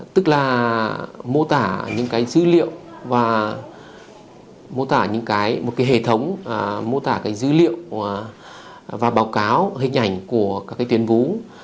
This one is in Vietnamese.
tức là mô tả những dữ liệu và mô tả những hệ thống mô tả dữ liệu và báo cáo hình ảnh của các tuyến vú